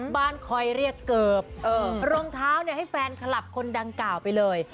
บ้านคอยเรียกเกือบรองเท้าให้แฟนคลับคนดังกล่าวไปเลย